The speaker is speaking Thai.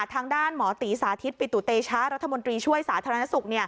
ทางด้านหมอตีสาธิตปิตุเตชะรัฐมนตรีช่วยสาธารณสุข